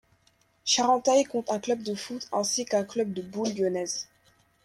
Charentay compte un club de foot ainsi qu'un club de boules lyonnaises.